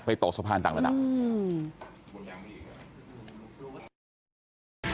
ไปตกสะพานต่างแล้วนะอืม